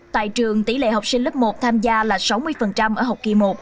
tại trường tỷ lệ học sinh lớp một tham gia là sáu mươi ở học kỳ một